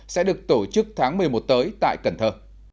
sẽ được tổ chức tháng một mươi một tới tại cần thơ